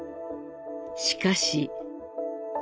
しかし。